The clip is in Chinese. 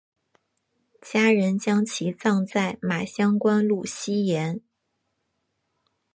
家人将其葬在马乡官路西沿。